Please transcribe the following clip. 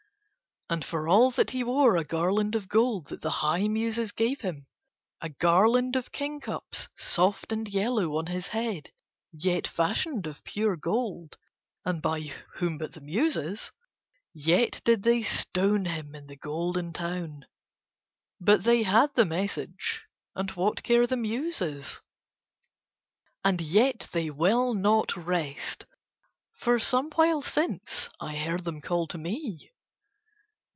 And for all that he wore a garland of gold that the high Muses gave him, a garland of kingcups soft and yellow on his head, yet fashioned of pure gold and by whom but the Muses, yet did they stone him in the Golden Town. But they had the message, and what care the Muses? And yet they will not rest, for some while since I heard them call to me.